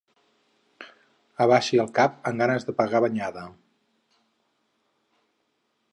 Abaixi el cap amb ganes de pegar banyada.